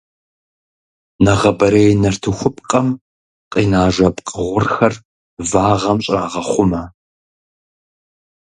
Нэгъабэрей нартыхупкъэм къина жэпкъ гъурхэр вагъэм щӀрагъэхъумэ.